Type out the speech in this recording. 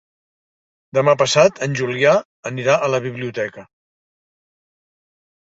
Demà passat en Julià anirà a la biblioteca.